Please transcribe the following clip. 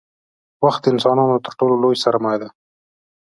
• وخت د انسانانو تر ټولو لوی سرمایه دی.